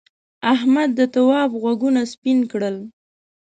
احمد د تواب غوږونه سپین کړل.